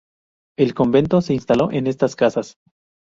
El convento se instaló en estas casas.